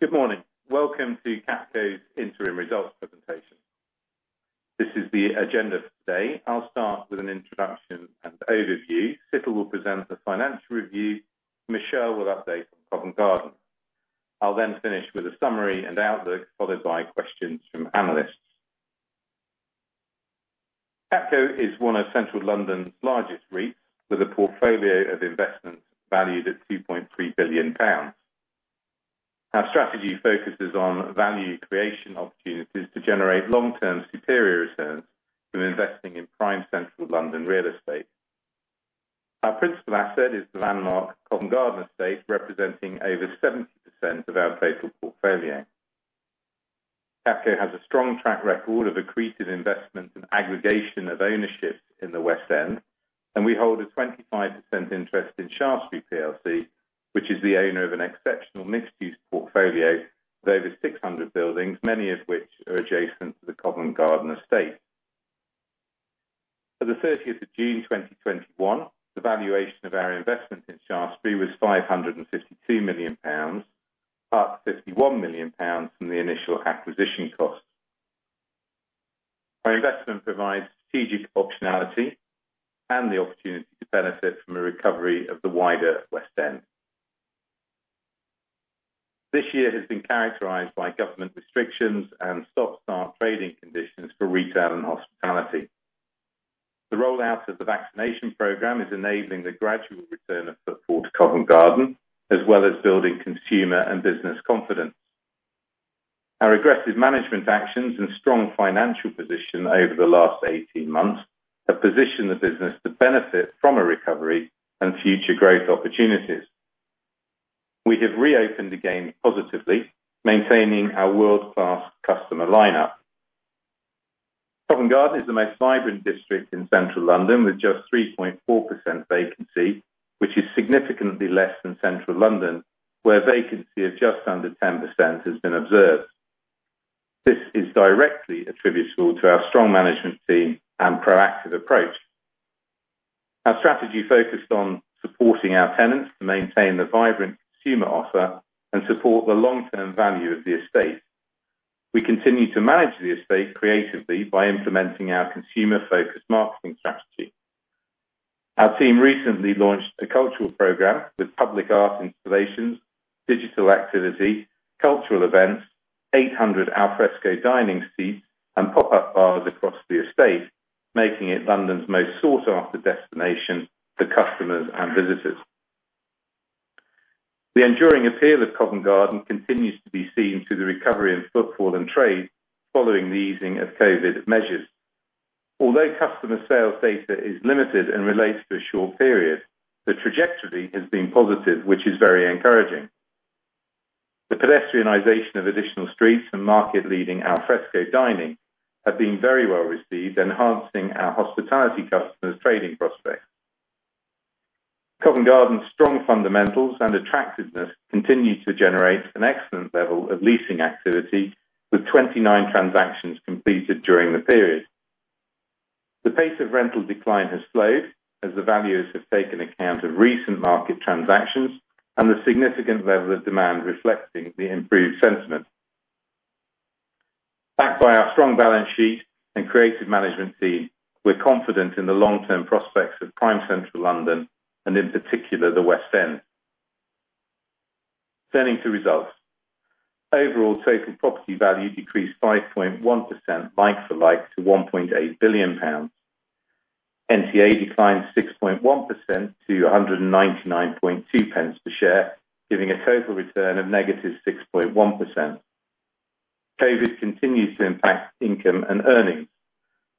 Good morning. Welcome to Capco's Interim Results Presentation. This is the agenda for today. I'll start with an introduction and overview. Situl will present the financial review. Michelle will update from Covent Garden. I'll then finish with a summary and outlook, followed by questions from analysts. Capco is one of Central London's largest REITs, with a portfolio of investments valued at 2.3 billion pounds. Our strategy focuses on value creation opportunities to generate long-term superior returns from investing in prime Central London real estate. Our principal asset is the landmark Covent Garden estate, representing over 70% of our total portfolio. Capco has a strong track record of accretive investments and aggregation of ownerships in the West End, and we hold a 25% interest in Shaftesbury PLC, which is the owner of an exceptional mixed-use portfolio with over 600 buildings, many of which are adjacent to the Covent Garden estate. At the 30th of June 2021, the valuation of our investment in Shaftesbury was 552 million pounds, up 51 million pounds from the initial acquisition cost. Our investment provides strategic optionality and the opportunity to benefit from a recovery of the wider West End. This year has been characterized by government restrictions and stop-start trading conditions for retail and hospitality. The rollout of the vaccination program is enabling the gradual return of footfall to Covent Garden, as well as building consumer and business confidence. Our aggressive management actions and strong financial position over the last 18 months have positioned the business to benefit from a recovery and future growth opportunities. We have reopened again positively, maintaining our world-class customer lineup. Covent Garden is the most vibrant district in Central London with just 3.4% vacancy, which is significantly less than Central London, where vacancy of just under 10% has been observed. This is directly attributable to our strong management team and proactive approach. Our strategy focused on supporting our tenants to maintain the vibrant consumer offer and support the long-term value of the estate. We continue to manage the estate creatively by implementing our consumer-focused marketing strategy. Our team recently launched a cultural program with public art installations, digital activity, cultural events, 800 al fresco dining seats, and pop-up bars across the estate, making it London's most sought-after destination for customers and visitors. The enduring appeal of Covent Garden continues to be seen through the recovery in footfall and trade following the easing of COVID measures. Although customer sales data is limited and relates to a short period, the trajectory has been positive, which is very encouraging. The pedestrianization of additional streets and market-leading al fresco dining have been very well-received, enhancing our hospitality customers' trading prospects. Covent Garden's strong fundamentals and attractiveness continue to generate an excellent level of leasing activity, with 29 transactions completed during the period. The pace of rental decline has slowed as the values have taken account of recent market transactions and the significant level of demand reflecting the improved sentiment. Backed by our strong balance sheet and creative management team, we're confident in the long-term prospects of prime Central London, and in particular, the West End. Turning to results. Overall, total property value decreased 5.1% like-for-like to 1.8 billion pounds. NTA declined 6.1% to 199.2p per share, giving a total return of negative 6.1%. COVID continues to impact income and earnings.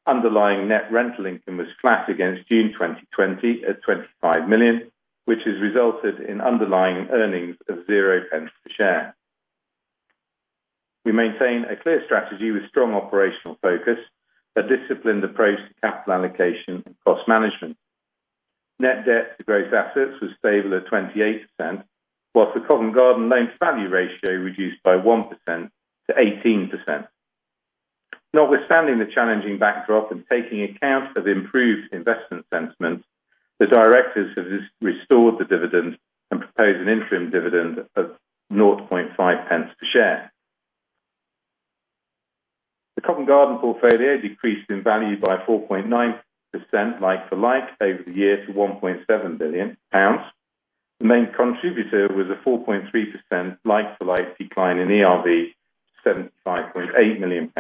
Underlying net rental income was flat against June 2020 at 25 million, which has resulted in underlying earnings of 0p per share. We maintain a clear strategy with strong operational focus, a disciplined approach to capital allocation and cost management. Net debt to gross assets was stable at 28%, while the Covent Garden loans value ratio reduced by 1%-18%. Notwithstanding the challenging backdrop and taking account of improved investment sentiment, the directors have restored the dividend and proposed an interim dividend of 0.005 per share. The Covent Garden portfolio decreased in value by 4.9% like-for-like over the year to 1.7 billion pounds. The main contributor was a 4.3% like-for-like decline in ERV to GBP 75.8 million.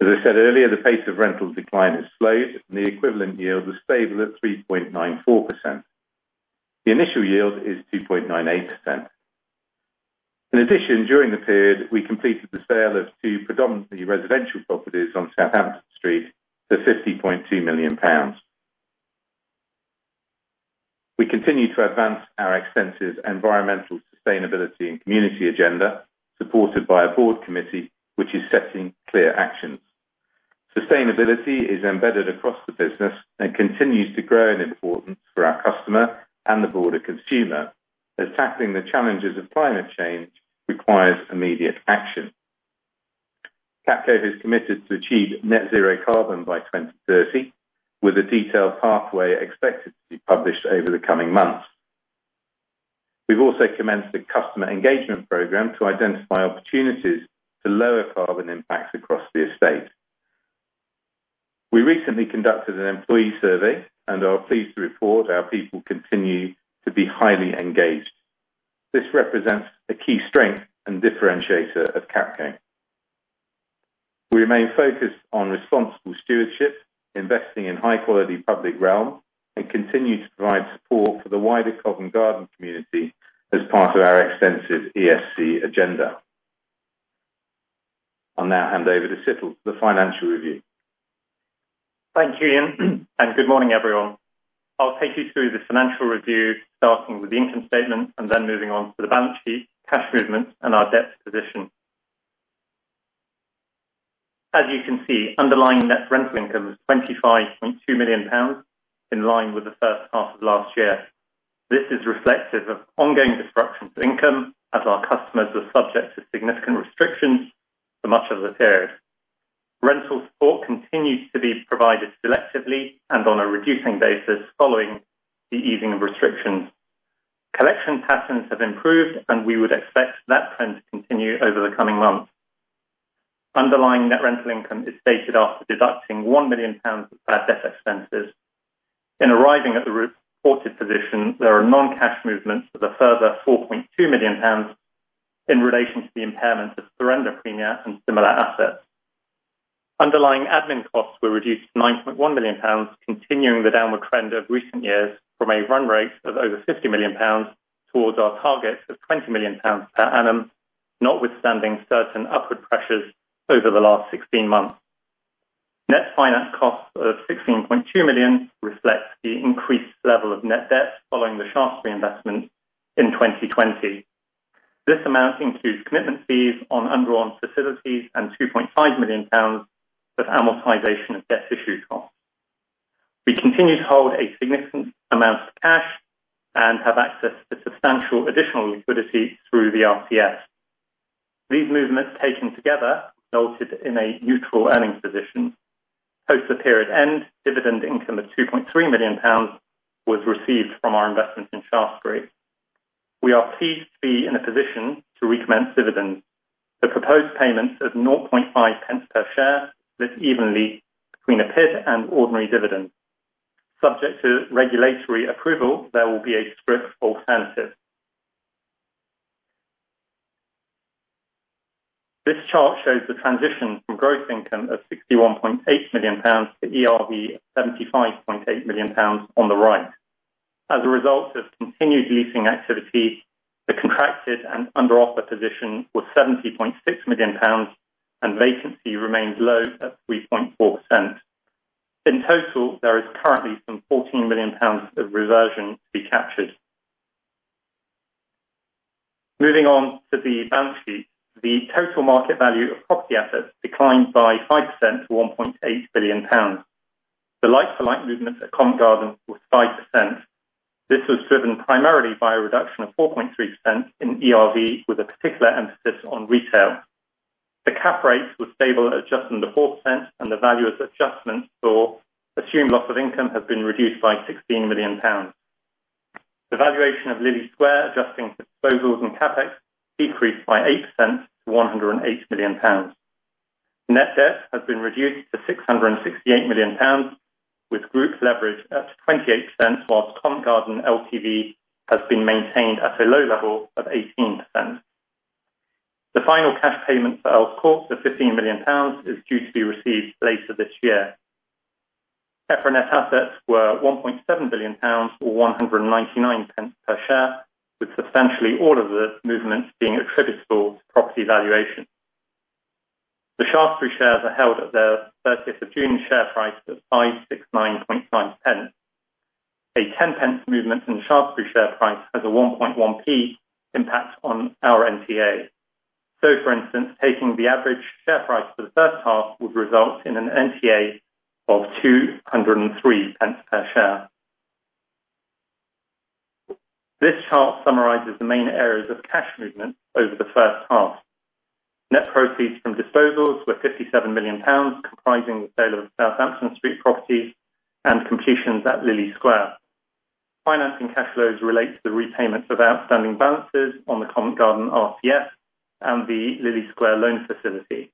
As I said earlier, the pace of rental decline has slowed, and the equivalent yield was stable at 3.94%. The initial yield is 2.98%. In addition, during the period, we completed the sale of two predominantly residential properties on Southampton Street for 50.2 million pounds. We continue to advance our extensive environmental sustainability and community agenda, supported by a board committee, which is setting clear actions. Sustainability is embedded across the business and continues to grow in importance for our customer and the broader consumer, as tackling the challenges of climate change requires immediate action. Capco has committed to achieve Net Zero Carbon by 2030, with a detailed pathway expected to be published over the coming months. We've also commenced a customer engagement program to identify opportunities to lower carbon impacts across the estate. We recently conducted an employee survey and are pleased to report our people continue to be highly engaged. This represents a key strength and differentiator of Capco. We remain focused on responsible stewardship, investing in high-quality public realm, and continue to provide support for the wider Covent Garden community as part of our extensive ESG agenda. I'll now hand over to Situl for the financial review. Thank you, Ian. Good morning, everyone. I'll take you through the financial review, starting with the income statement and then moving on to the balance sheet, cash movements and our debt position. As you can see, underlying net rental income is 25.2 million pounds, in line with the first half of last year. This is reflective of ongoing disruptions to income as our customers were subject to significant restrictions for much of the period. Rental support continued to be provided selectively and on a reducing basis following the easing of restrictions. Collection patterns have improved, and we would expect that trend to continue over the coming months. Underlying net rental income is stated after deducting 1 million pounds of bad debt expenses. In arriving at the reported position, there are non-cash movements of a further 4.2 million pounds in relation to the impairment of surrender premia and similar assets. Underlying admin costs were reduced to 9.1 million pounds, continuing the downward trend of recent years from a run rate of over 50 million pounds towards our target of 20 million pounds per annum, notwithstanding certain upward pressures over the last 16 months. Net finance costs of 16.2 million reflects the increased level of net debt following the Shaftesbury investments in 2020. This amount includes commitment fees on undrawn facilities and 2.5 million pounds of amortization of debt issue costs. We continue to hold a significant amount of cash and have access to substantial additional liquidity through the RCF. These movements, taken together, resulted in a neutral earnings position. Post the period end, dividend income of 2.3 million pounds was received from our investment in Shaftesbury. We are pleased to be in a position to recommend dividends. The proposed payments of 0.5p per share split evenly between a PID and ordinary dividend. Subject to regulatory approval, there will be a script alternative. This chart shows the transition from gross income of 61.8 million pounds to ERV of 75.8 million pounds on the right. As a result of continued leasing activity, the contracted and under offer position was 70.6 million pounds and vacancy remains low at 3.4%. In total, there is currently some 14 million pounds of reversion to be captured. Moving on to the balance sheet. The total market value of property assets declined by 5% to 1.8 billion pounds. The like-for-like movements at Covent Garden were 5%. This was driven primarily by a reduction of 4.3% in ERV, with a particular emphasis on retail. The cap rates were stable at just under 4%, and the valuer's adjustments saw assumed loss of income has been reduced by GBP 16 million. The valuation of Lillie Square, adjusting for disposals and CapEx, decreased by 8% to 108 million pounds. Net debt has been reduced to 668 million pounds, with group leverage at 28%, whilst Covent Garden LTV has been maintained at a low level of 18%. The final cash payment for Earls Court of 15 million pounds is due to be received later this year. EPRA net assets were 1.7 billion pounds, or 199p per share, with substantially all of the movements being attributable to property valuation. The Shaftesbury shares are held at their 30th of June share price of 569.9p. A 10p movement in the Shaftesbury share price has a 1.1p impact on our NTA. For instance, taking the average share price for the first half would result in an NTA of 203p per share. This chart summarizes the main areas of cash movement over the first half. Net proceeds from disposals were 57 million pounds, comprising the sale of Southampton Street properties and completions at Lillie Square. Financing cash flows relate to the repayment of outstanding balances on the Covent Garden RCF and the Lillie Square loan facility.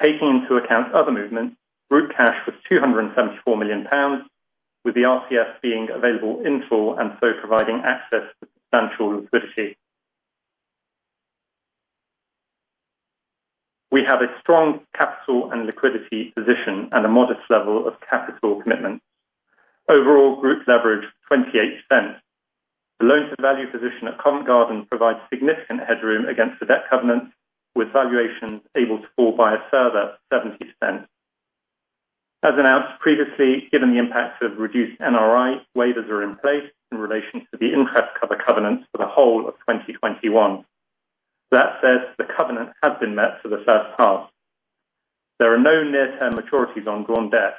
Taking into account other movements, group cash was 274 million pounds, with the RCF being available in full and so providing access to substantial liquidity. We have a strong capital and liquidity position and a modest level of capital commitment. Overall, group leverage 28%. The loan-to-value position at Covent Garden provides significant headroom against the debt covenants, with valuations able to fall by a further 70%. As announced previously, given the impacts of reduced NRI, waivers are in place in relation to the interest cover covenants for the whole of 2021. That said, the covenant has been met for the first half. There are no near-term maturities on drawn debt.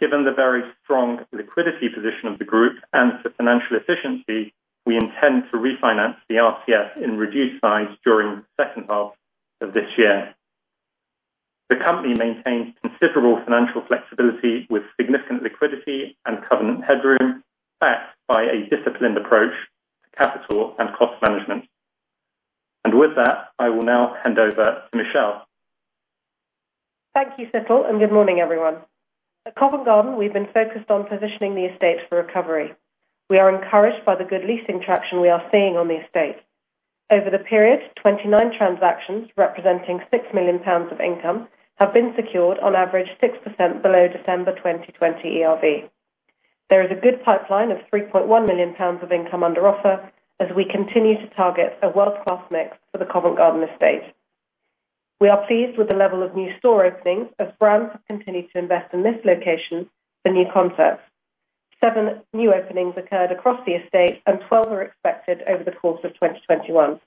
Given the very strong liquidity position of the group and for financial efficiency, we intend to refinance the RCF in reduced size during the second half of this year. The company maintains considerable financial flexibility with significant liquidity and covenant headroom, backed by a disciplined approach to capital and cost management. With that, I will now hand over to Michelle. Thank you, Situl, good morning, everyone. At Covent Garden, we've been focused on positioning the estate for recovery. We are encouraged by the good leasing traction we are seeing on the estate. Over the period, 29 transactions representing 6 million pounds of income have been secured on average 6% below December 2020 ERV. There is a good pipeline of 3.1 million pounds of income under offer as we continue to target a world-class mix for the Covent Garden estate. We are pleased with the level of new store openings as brands have continued to invest in this location for new concepts. Seven new openings occurred across the estate, and 12 are expected over the course of 2021.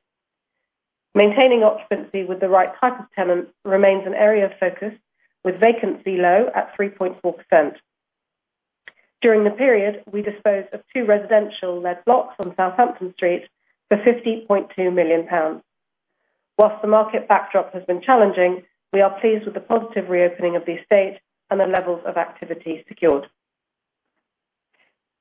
Maintaining occupancy with the right type of tenant remains an area of focus, with vacancy low at 3.4%. During the period, we disposed of two residential-led blocks on Southampton Street for 50.2 million pounds. Whilst the market backdrop has been challenging, we are pleased with the positive reopening of the estate and the levels of activity secured.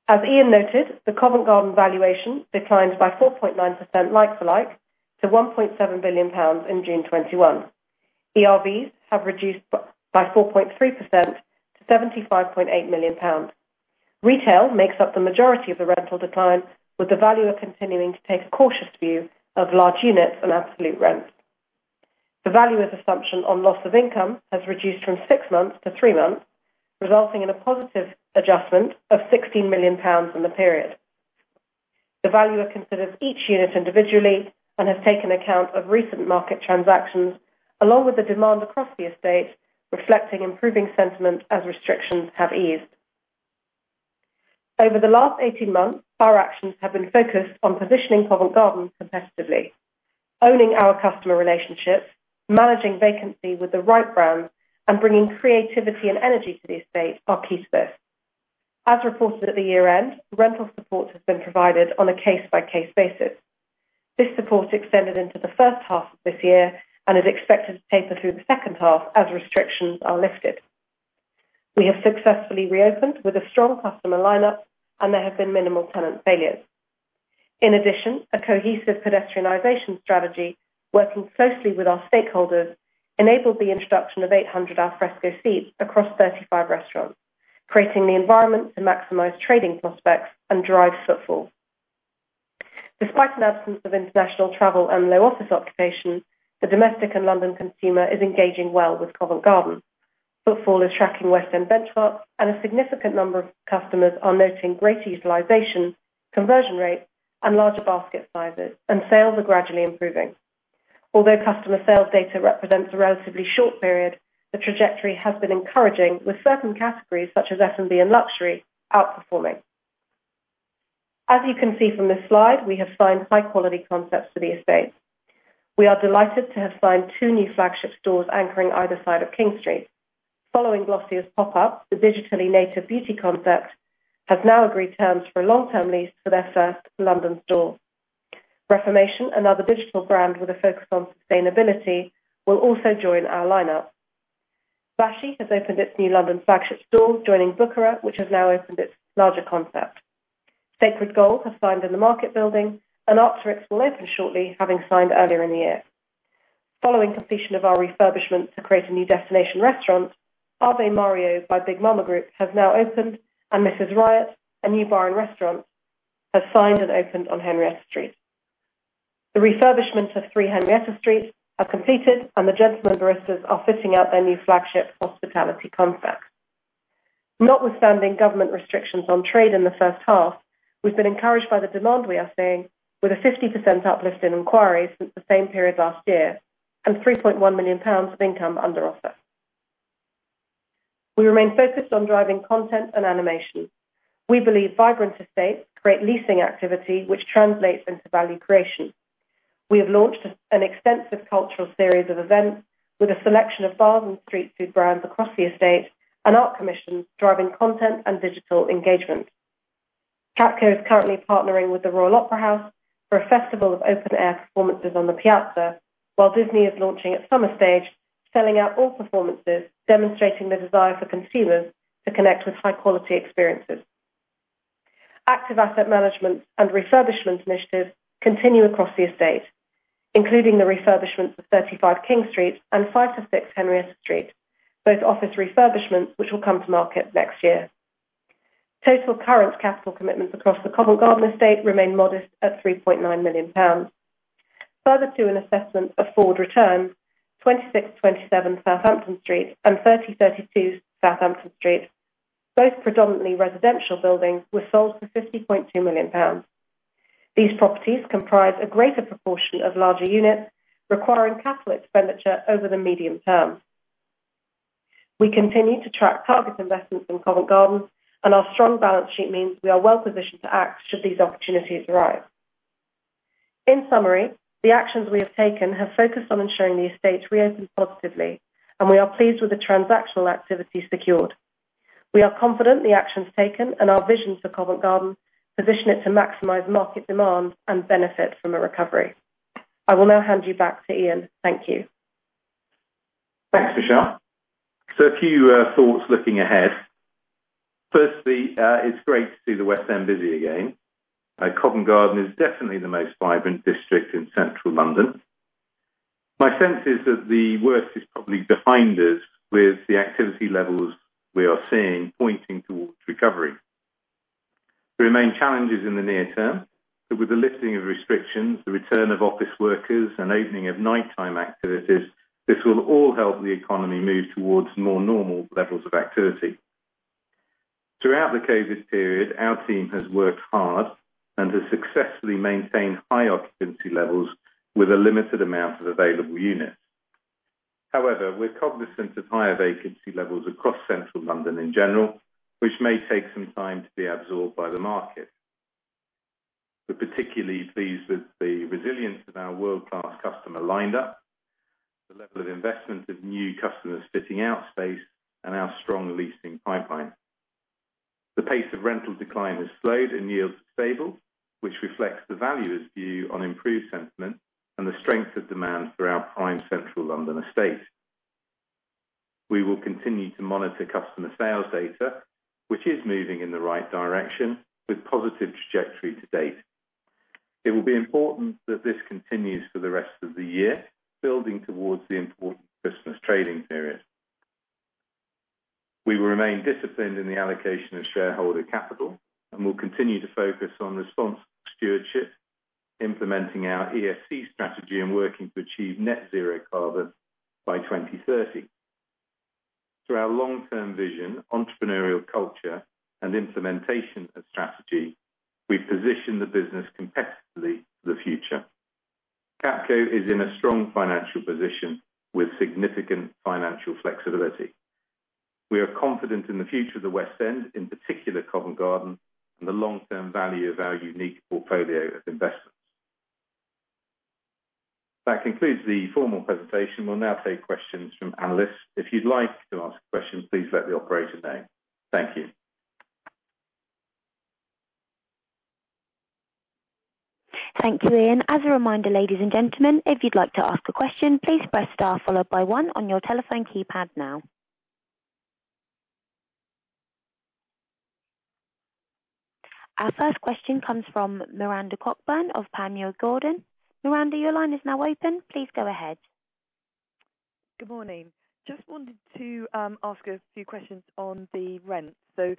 As Ian noted, the Covent Garden valuation declined by 4.9% like to like to 1.7 billion pounds in June 2021. ERVs have reduced by 4.3% to 75.8 million pounds. Retail makes up the majority of the rental decline, with the valuer continuing to take a cautious view of large units and absolute rents. The valuer's assumption on loss of income has reduced from six months to three months, resulting in a positive adjustment of 16 million pounds in the period. The valuer considers each unit individually and has taken account of recent market transactions along with the demand across the estate, reflecting improving sentiment as restrictions have eased. Over the last 18 months, our actions have been focused on positioning Covent Garden competitively. Owning our customer relationships, managing vacancy with the right brands, and bringing creativity and energy to the estate are key to this. As reported at the year-end, rental support has been provided on a case-by-case basis. This support extended into the first half of this year and is expected to taper through the second half as restrictions are lifted. We have successfully reopened with a strong customer lineup, and there have been minimal tenant failures. In addition, a cohesive pedestrianization strategy, working closely with our stakeholders, enabled the introduction of 800 al fresco seats across 35 restaurants, creating the environment to maximize trading prospects and drive footfall. Despite an absence of international travel and low office occupation, the domestic and London consumer is engaging well with Covent Garden. Footfall is tracking West End benchmarks, and a significant number of customers are noting greater utilization, conversion rates, and larger basket sizes, and sales are gradually improving. Although customer sales data represents a relatively short period, the trajectory has been encouraging, with certain categories such as F&B and luxury outperforming. As you can see from this slide, we have signed high-quality concepts for the estate. We are delighted to have signed two new flagship stores anchoring either side of King Street. Following Glossier's pop-up, the digitally native beauty concept has now agreed terms for a long-term lease for their first London store. Reformation, another digital brand with a focus on sustainability, will also join our lineup. Baci has opened its new London flagship store, joining Bucherer, which has now opened its larger concept. Sacred Gold have signed in the Market Building, and Arc'teryx will open shortly, having signed earlier in the year. Following completion of our refurbishment to create a new destination restaurant, Ave Mario by Big Mamma Group has now opened and Mrs Riot, a new bar and restaurant, has signed and opened on Henrietta Street. The refurbishment of 3 Henrietta Street is completed, and The Gentlemen Baristas are fitting out their new flagship hospitality concept. Notwithstanding government restrictions on trade in the first half, we've been encouraged by the demand we are seeing with a 50% uplift in inquiries since the same period last year and 3.1 million pounds of income under offer. We remain focused on driving content and animation. We believe vibrant estates create leasing activity, which translates into value creation. We have launched an extensive cultural series of events with a selection of bars and street food brands across the estate and art commissions driving content and digital engagement. Capco is currently partnering with the Royal Opera House for a festival of open-air performances on the piazza while Disney is launching its summer stage, selling out all performances, demonstrating the desire for consumers to connect with high-quality experiences. Active asset management and refurbishment initiatives continue across the estate, including the refurbishment of 35 King Street and 5-6 Henrietta Street, both office refurbishments which will come to market next year. Total current capital commitments across the Covent Garden estate remain modest at 3.9 million pounds. Further to an assessment of forward returns, 26-27 Southampton Street and 30-32 Southampton Street, both predominantly residential buildings, were sold for 50.2 million pounds. These properties comprise a greater proportion of larger units requiring capital expenditure over the medium term. We continue to track target investments in Covent Garden, and our strong balance sheet means we are well-positioned to act should these opportunities arise. In summary, the actions we have taken have focused on ensuring the estate reopens positively, and we are pleased with the transactional activity secured. We are confident the actions taken and our vision for Covent Garden position it to maximize market demand and benefit from a recovery. I will now hand you back to Ian. Thank you. Thanks, Michelle. A few thoughts looking ahead. Firstly, it's great to see the West End busy again. Covent Garden is definitely the most vibrant district in Central London. My sense is that the worst is probably behind us with the activity levels we are seeing pointing towards recovery. There remain challenges in the near term, with the lifting of restrictions, the return of office workers, and opening of nighttime activities, this will all help the economy move towards more normal levels of activity. Throughout the COVID period, our team has worked hard and has successfully maintained high occupancy levels with a limited amount of available units. However, we're cognizant of higher vacancy levels across Central London in general, which may take some time to be absorbed by the market. We're particularly pleased with the resilience of our world-class customer lineup, the level of investment of new customers fitting out space, and our strong leasing pipeline. The pace of rental decline has slowed and yields are stable, which reflects the valuer's view on improved sentiment and the strength of demand for our prime Central London estate. We will continue to monitor customer sales data, which is moving in the right direction with positive trajectory to date. It will be important that this continues for the rest of the year, building towards the important Christmas trading period. We will remain disciplined in the allocation of shareholder capital and will continue to focus on responsible stewardship, implementing our ESG strategy, and working to achieve Net Zero Carbon by 2030. Through our long-term vision, entrepreneurial culture, and implementation of strategy, we position the business competitively for the future. Capco is in a strong financial position with significant financial flexibility. We are confident in the future of the West End, in particular, Covent Garden, and the long-term value of our unique portfolio of investments. That concludes the formal presentation. We'll now take questions from analysts. If you'd like to ask a question, please let the operator know. Thank you. Thank you, Ian. As a reminder, ladies and gentlemen, if you'd like to ask a question, please press star followed by one on your telephone keypad now. Our first question comes from Miranda Cockburn of Panmure Gordon. Miranda, your line is now open. Please go ahead. Good morning. Just wanted to ask a few questions on the rent. The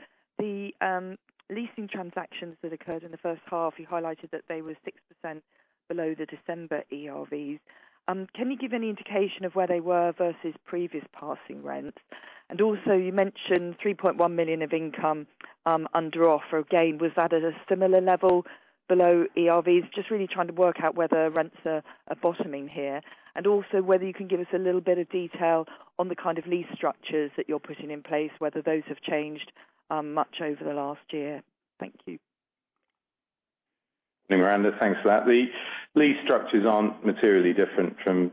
leasing transactions that occurred in the first half, you highlighted that they were 6% below the December ERVs. Can you give any indication of where they were versus previous passing rents? You mentioned 3.1 million of income under offer. Again, was that at a similar level below ERVs? Just really trying to work out whether rents are bottoming here, and also whether you can give us a little bit of detail on the kind of lease structures that you're putting in place, whether those have changed much over the last year. Thank you. Miranda, thanks for that. The lease structures aren't materially different from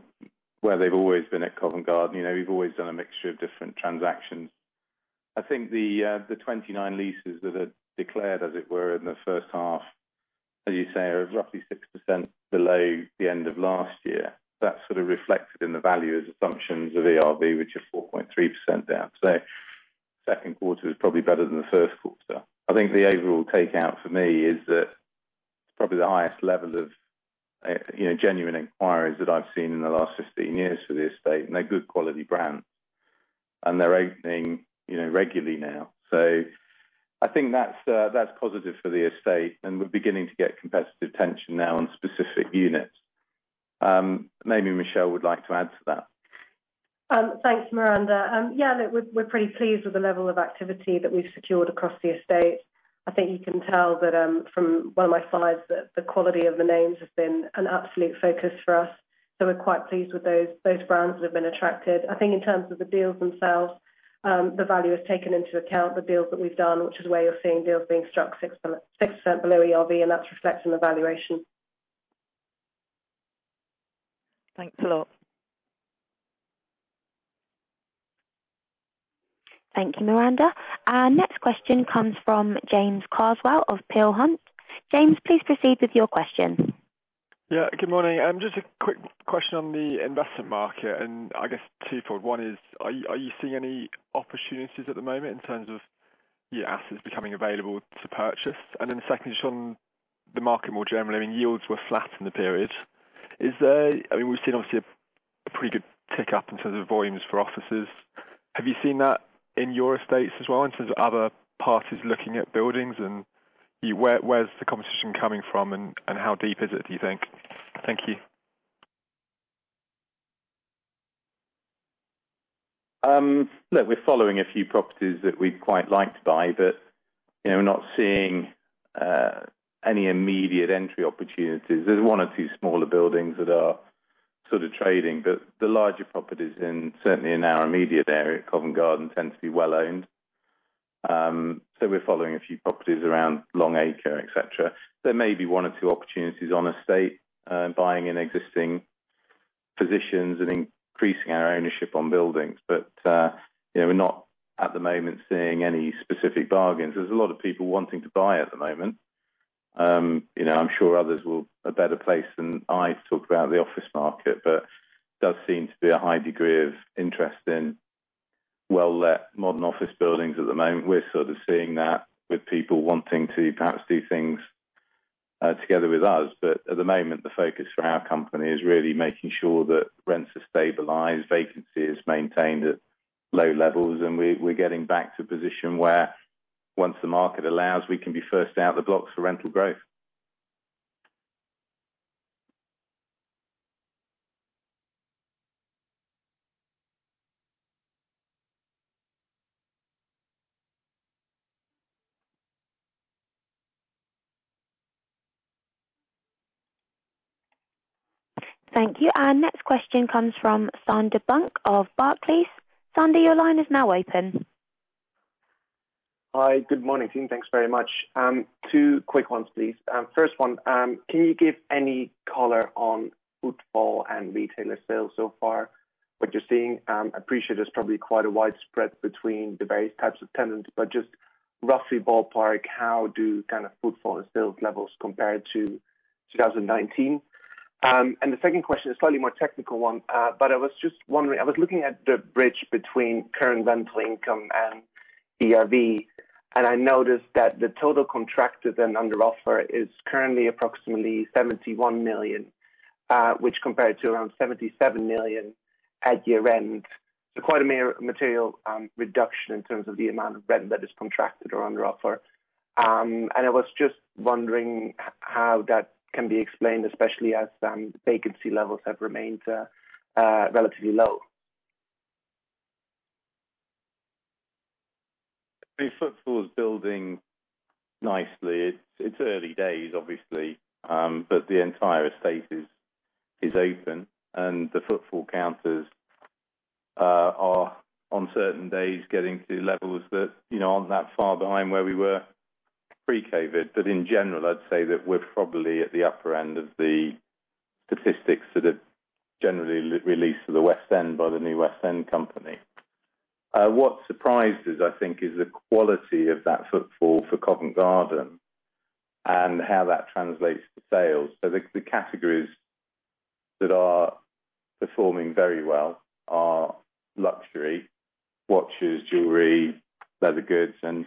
where they've always been at Covent Garden. We've always done a mixture of different transactions. I think the 29 leases that are declared, as it were, in the first half, as you say, are roughly 6% below the end of last year. That's sort of reflected in the valuer's assumptions of ERV, which are 4.3% down. Second quarter is probably better than the first quarter. I think the overall takeout for me is that it's probably the highest level of genuine inquiries that I've seen in the last 15 years for the estate, and they're good quality brands, and they're opening regularly now. I think that's positive for the estate, and we're beginning to get competitive tension now on specific units. Maybe Michelle would like to add to that. Thanks, Miranda. Yeah, we're pretty pleased with the level of activity that we've secured across the estate. I think you can tell that from one of my slides that the quality of the names has been an absolute focus for us, so we're quite pleased with those brands that have been attracted. I think in terms of the deals themselves, the value has taken into account the deals that we've done, which is why you're seeing deals being struck 6% below ERV, and that's reflecting the valuation. Thanks a lot. Thank you, Miranda. Our next question comes from James Carswell of Peel Hunt. James, please proceed with your question. Yeah, good morning. Just a quick question on the investment market, and I guess two-fold. One is, are you seeing any opportunities at the moment in terms of your assets becoming available to purchase? Then the second is on the market more generally. I mean, yields were flat in the period. We've seen obviously a pretty good tick-up in terms of volumes for offices. Have you seen that in your estates as well in terms of other parties looking at buildings, and where's the competition coming from and how deep is it, do you think? Thank you. We're following a few properties that we'd quite like to buy, we're not seeing any immediate entry opportunities. There's one or two smaller buildings that are sort of trading, the larger properties certainly in our immediate area at Covent Garden tend to be well-owned. We're following a few properties around Long Acre, et cetera. There may be one or two opportunities on Estate, buying in existing positions and increasing our ownership on buildings. We're not, at the moment, seeing any specific bargains. There's a lot of people wanting to buy at the moment. I'm sure others a better place than I to talk about the office market, there does seem to be a high degree of interest in well-let modern office buildings at the moment. We're sort of seeing that with people wanting to perhaps do things together with us. At the moment, the focus for our company is really making sure that rents are stabilized, vacancy is maintained at low levels, and we're getting back to a position where once the market allows, we can be first out the blocks for rental growth. Thank you. Our next question comes from Sander Bunck of Barclays. Sander, your line is now open. Hi, good morning, team. Thanks very much. Two quick ones, please. First one, can you give any color on footfall and retailer sales so far, what you're seeing? I appreciate there's probably quite a wide spread between the various types of tenants, just roughly ballpark, how do footfall and sales levels compare to 2019? The second question is a slightly more technical one, but I was just wondering, I was looking at the bridge between current rental income and ERV, I noticed that the total contracted and under offer is currently approximately 71 million, which compared to around 77 million at year-end. Quite a material reduction in terms of the amount of rent that is contracted or under offer. I was just wondering how that can be explained, especially as vacancy levels have remained relatively low. I think footfall is building nicely. It's early days, obviously, but the entire estate is open, and the footfall counters are, on certain days, getting to levels that aren't that far behind where we were pre-COVID. In general, I'd say that we're probably at the upper end of the statistics that are generally released for the West End by the New West End Company. What surprised us, I think, is the quality of that footfall for Covent Garden and how that translates to sales. The categories that are performing very well are luxury watches, jewelry, leather goods, and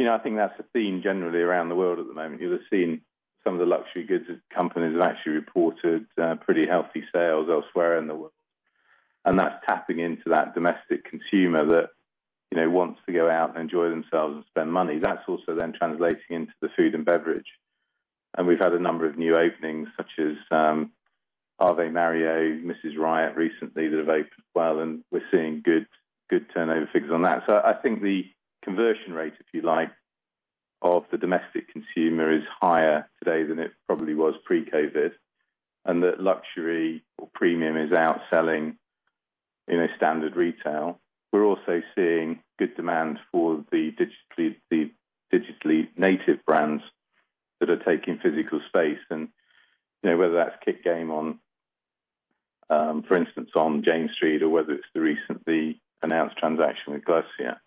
I think that's a theme generally around the world at the moment. You'll have seen some of the luxury goods companies have actually reported pretty healthy sales elsewhere in the world, and that's tapping into that domestic consumer that wants to go out and enjoy themselves and spend money. That's also then translating into the food and beverage. We've had a number of new openings, such as Ave Mario, Mrs Riot recently, that have opened well, and we're seeing good turnover figures on that. I think the conversion rate, if you like, of the domestic consumer is higher today than it probably was pre-COVID, and that luxury or premium is outselling standard retail. We're also seeing good demand for the digitally native brands that are taking physical space, and whether that's Kick Game, for instance, on James Street or whether it's the recently announced transaction with Glossier.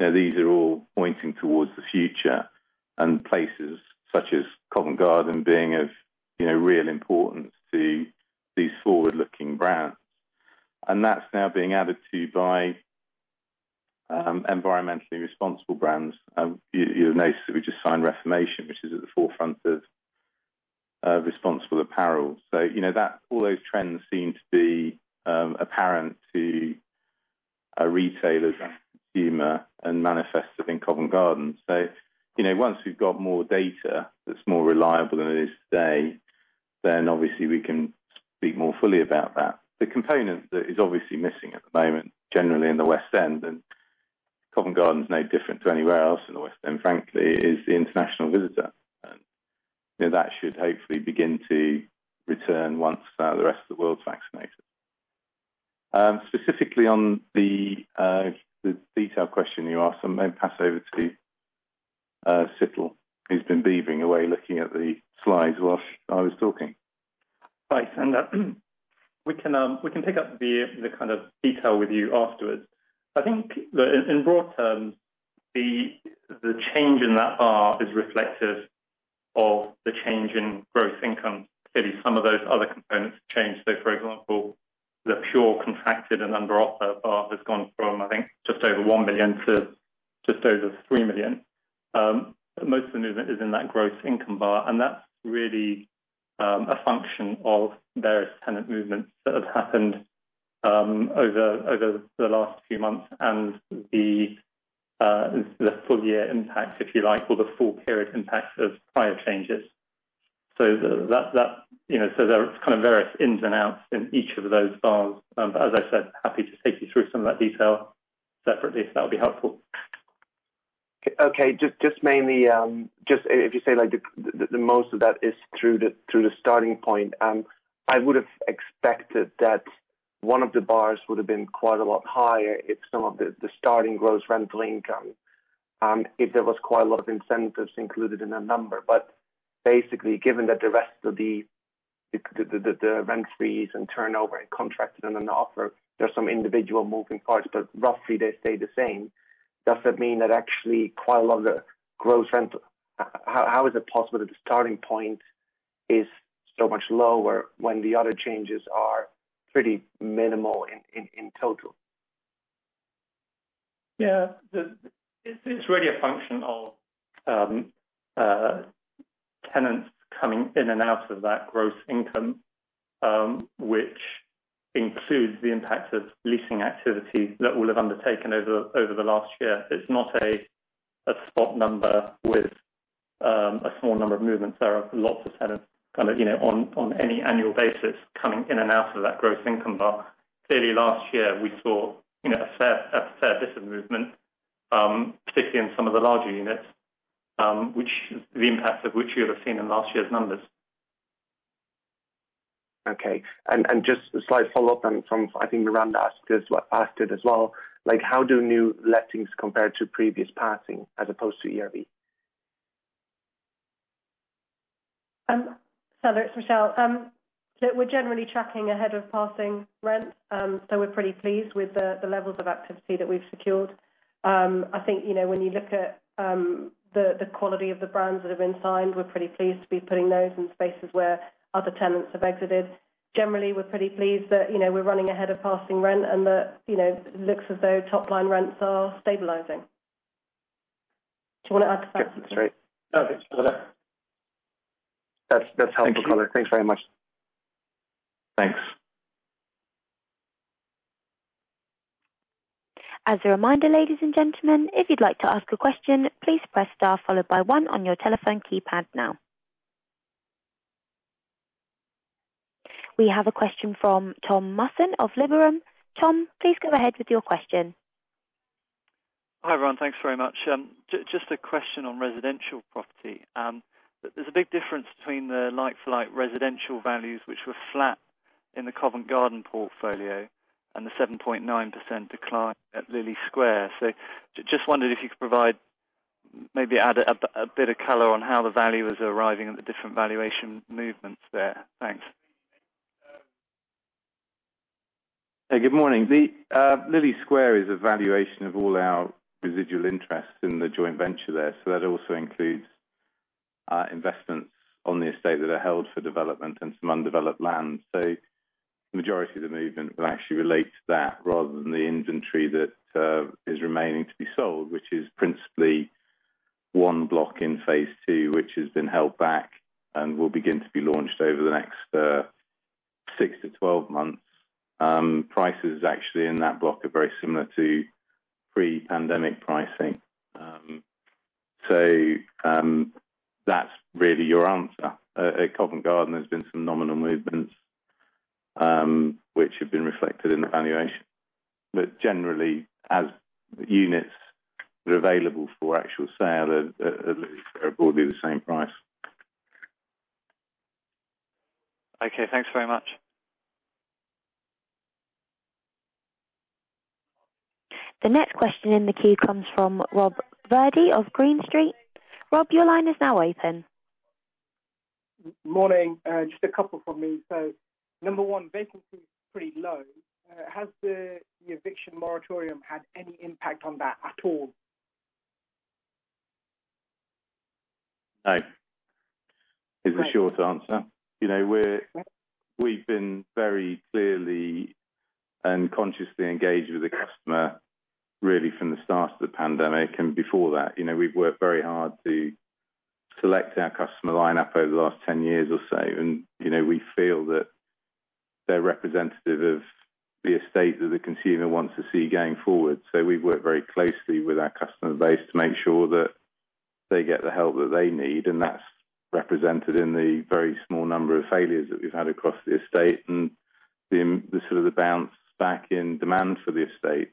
These are all pointing towards the future and places such as Covent Garden being of real importance to these forward-looking brands. That's now being added to by environmentally responsible brands. You'll notice that we just signed Reformation, which is at the forefront of responsible apparel. All those trends seem to be apparent to our retailers and consumer and manifested in Covent Garden. Once we've got more data that's more reliable than it is today, then obviously we can speak more fully about that. The component that is obviously missing at the moment, generally in the West End, and Covent Garden is no different to anywhere else in the West End, frankly, is the international visitor. That should hopefully begin to return once the rest of the world's vaccinated. Specifically on the detailed question you asked, I may pass over to Situl, who's been beavering away looking at the slides while I was talking. Right. We can pick up the kind of detail with you afterwards. I think in broad terms, the change in that bar is reflective of the change in gross income. Clearly, some of those other components change. For example, the pure contracted and under offer bar has gone from, I think, just over 1 million to just over 3 million. Most of the movement is in that gross income bar, and that's really a function of various tenant movements that have happened over the last few months and the full year impact, if you like, or the full period impact of prior changes. There are various ins and outs in each of those bars. As I said, happy to take you through some of that detail separately, if that would be helpful. Okay. Just mainly, if you say, most of that is through the starting point, I would have expected that one of the bars would have been quite a lot higher if some of the starting gross rental income, if there was quite a lot of incentives included in that number. Basically, given that the rest of the rent-free and turnover and contracted and on offer, there's some individual moving parts, but roughly they stay the same. How is it possible that the starting point is so much lower when the other changes are pretty minimal in total? Yeah. It's really a function of tenants coming in and out of that gross income, which includes the impact of leasing activity that we'll have undertaken over the last year. It's not a spot number with a small number of movements. There are lots of tenants on any annual basis coming in and out of that gross income base. Clearly, last year we saw a fair bit of movement, particularly in some of the larger units the impact of which you'll have seen in last year's numbers. Okay. Just a slight follow-up, and I think Miranda asked it as well. How do new lettings compare to previous passing as opposed to ERV? Sander Bunck, it's Michelle. We're generally tracking ahead of passing rents. We're pretty pleased with the levels of activity that we've secured. I think, when you look at the quality of the brands that have been signed, we're pretty pleased to be putting those in spaces where other tenants have exited. Generally, we're pretty pleased that we're running ahead of passing rent and that it looks as though top-line rents are stabilizing. Do you want to add to that? That's great. Okay. That's helpful color. Thanks very much. Thanks. As a reminder, ladies and gentlemen, if you'd like to ask a question, please press star followed by one on your telephone keypad now. We have a question from Tom Musson of Liberum. Tom, please go ahead with your question. Hi, everyone. Thanks very much. Just a question on residential property. There's a big difference between the like-for-like residential values, which were flat in the Covent Garden portfolio and the 7.9% decline at Lillie Square. Just wondered if you could provide, maybe add a bit of color on how the value is arriving at the different valuation movements there. Thanks. Hey, good morning. Lillie Square is a valuation of all our residual interests in the joint venture there. That also includes investments on the estate that are held for development and some undeveloped land. The majority of the movement will actually relate to that rather than the inventory that is remaining to be sold, which is principally one block in phase II, which has been held back and will begin to be launched over the next six to twelve months. Prices actually in that block are very similar to pre-pandemic pricing. That's really your answer. At Covent Garden, there's been some nominal movements, which have been reflected in the valuation. Generally, as units that are available for actual sale at Lillie Square will be the same price. Okay, thanks very much. The next question in the queue comes from Rob Virdee of Green Street. Rob, your line is now open. Morning. Just a couple from me. Number one, vacancy is pretty low. Has the eviction moratorium had any impact on that at all? No, is the short answer. We've been very clearly and consciously engaged with the customer, really from the start of the pandemic and before that. We've worked very hard to select our customer lineup over the last 10 years or so, and we feel that they're representative of the estate that the consumer wants to see going forward. We've worked very closely with our customer base to make sure that they get the help that they need, and that's represented in the very small number of failures that we've had across the estate and the sort of the bounce back in demand for the estate.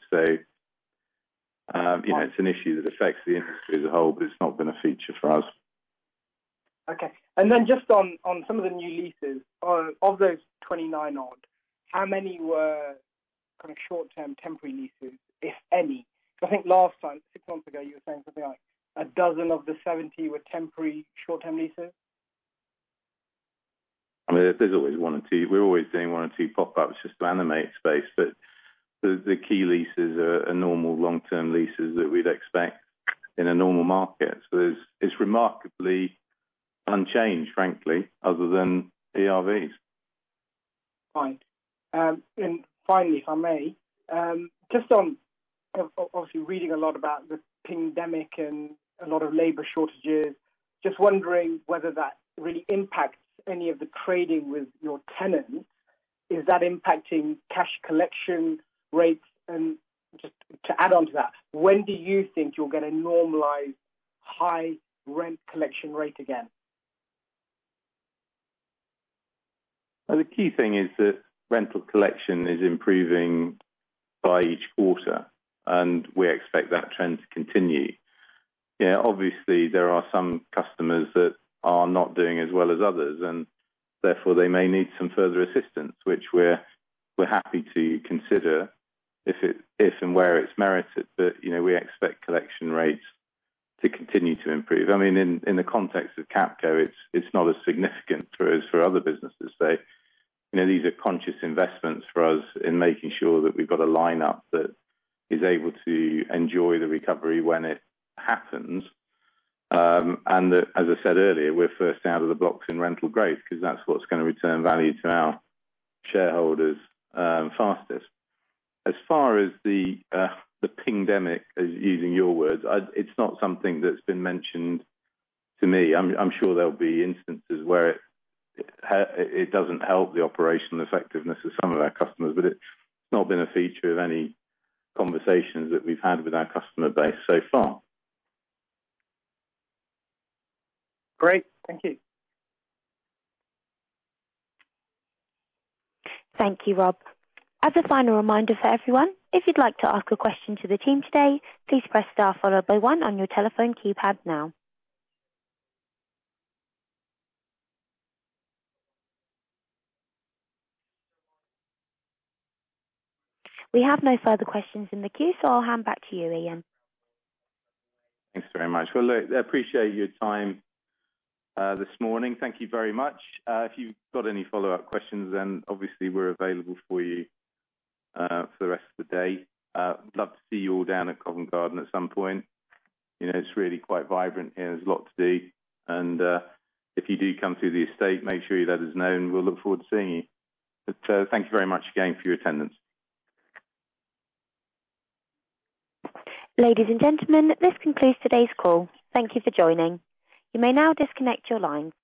It's an issue that affects the industry as a whole, but it's not been a feature for us. Okay. Just on some of the new leases. Of those 29 odd, how many were short-term temporary leases, if any? I think last time, six months ago, you were saying something like a dozen of the 70 were temporary short-term leases. There's always one or two. We're always doing one or two pop-ups just to animate space. The key leases are normal long-term leases that we'd expect in a normal market. It's remarkably unchanged, frankly, other than ERVs. Fine. Finally, if I may. Just on, obviously reading a lot about the pandemic and a lot of labor shortages, just wondering whether that really impacts any of the trading with your tenants. Is that impacting cash collection rates? Just to add onto that, when do you think you're going to normalize high rent collection rate again? The key thing is that rental collection is improving by each quarter, and we expect that trend to continue. Yeah, obviously there are some customers that are not doing as well as others, therefore they may need some further assistance, which we're happy to consider if and where it's merited. We expect collection rates to continue to improve. In the context of Capco, it's not as significant for us for other businesses. These are conscious investments for us in making sure that we've got a lineup that is able to enjoy the recovery when it happens. As I said earlier, we're first out of the blocks in rental growth because that's what's going to return value to our shareholders fastest. As far as the pingdemic, using your words, it's not something that's been mentioned to me. I'm sure there'll be instances where it doesn't help the operational effectiveness of some of our customers, but it's not been a feature of any conversations that we've had with our customer base so far. Great. Thank you. Thank you, Rob. As a final reminder for everyone, if you'd like to ask a question to the team today, please press star followed by one on your telephone keypad now. We have no further questions in the queue, so I'll hand back to you, Ian. Thanks very much. Look, I appreciate your time this morning. Thank you very much. If you've got any follow-up questions, then obviously we're available for you for the rest of the day. I'd love to see you all down at Covent Garden at some point. It's really quite vibrant here. There's a lot to do, and if you do come to the estate, make sure you let us know, and we'll look forward to seeing you. Thank you very much again for your attendance. Ladies and gentlemen, this concludes today's call. Thank you for joining. You may now disconnect your lines.